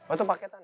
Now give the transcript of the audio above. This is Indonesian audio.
oh itu paketan